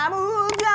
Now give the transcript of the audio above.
tabu tabu tadi undang